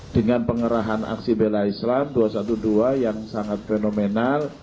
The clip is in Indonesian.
dengan pengerahan aksi bela islam dua ratus dua belas yang sangat fenomenal